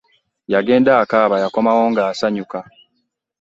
Yagenda akaaba yakomawo ng'asanyuka.